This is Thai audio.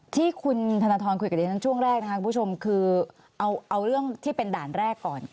ที่คุณธนทรคุยกับดิฉันช่วงแรกนะครับคุณผู้ชมคือเอาเรื่องที่เป็นด่านแรกก่อน